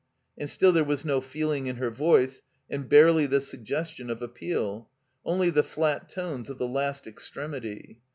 And still there was no feeling in her voice, and barely the suggestion of appeal; only the flat tones of the last extremity.